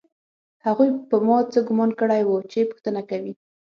هغوی په ما څه ګومان کړی و چې پوښتنه کوي